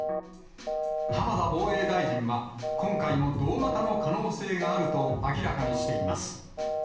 浜田防衛大臣は、今回も同型の可能性があると明らかにしています。